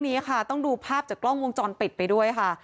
นี้ค่ะต้องดูภาพจากกล้องวงจรปิดไปด้วยค่ะ